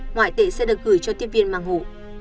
ngoại tệ sẽ được gửi cho tiếp viên mang hủ